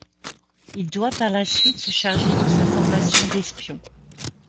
Il doit par la suite se charger de sa formation d'espion.